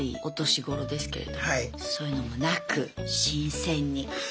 お年頃ですけれどもそういうのもなく新鮮に。